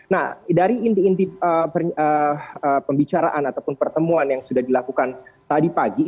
nah dari inti inti pembicaraan ataupun pertemuan yang sudah dilakukan tadi pagi